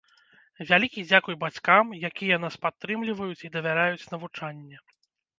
Вялікі дзякуй бацькам, якія нас падтрымліваюць і давяраюць навучанне.